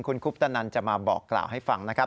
คุณคุปตนันจะมาบอกกล่าวให้ฟังนะครับ